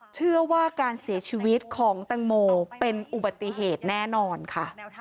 เชื่อว่าการเสียชีวิตของตังโมเป็นอุบัติเหตุแน่นอนค่ะ